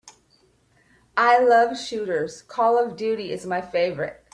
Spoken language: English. I love shooters, Call of Duty is my favorite.